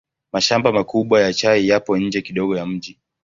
Mashamba makubwa ya chai yapo nje kidogo ya mji.